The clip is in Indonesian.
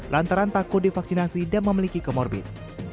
lantaran takut divaksinasi dan memiliki komorbit